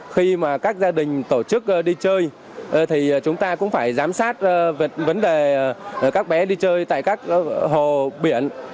khi mà các gia đình tổ chức đi chơi thì chúng ta cũng phải giám sát vấn đề các bé đi chơi tại các hồ biển